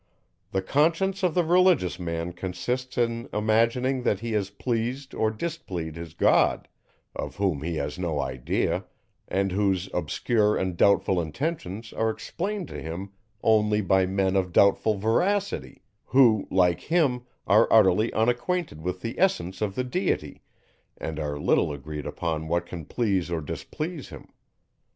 The Conscience of the religious man consists in imagining that he has pleased or displeased his God, of whom he has no idea, and whose obscure and doubtful intentions are explained to him only by men of doubtful veracity, who, like him, are utterly unacquainted with the essence of the Deity, and are little agreed upon what can please or displease him.